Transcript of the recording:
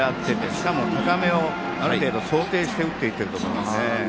しかも高めを、ある程度想定して打っていっていると思いますね。